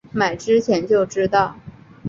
买之前就知道